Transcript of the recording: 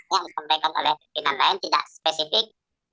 yang disampaikan oleh pimpinan lain tidak spesifik